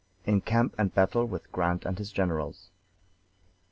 IN CAMP AND BATTLE WITH GRANT AND HIS GENERALS.